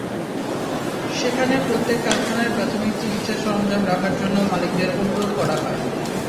সেখানে প্রত্যেক কারখানায় প্রাথমিক চিকিৎসা সরঞ্জাম রাখার জন্য মালিকদের অনুরোধ করা হয়।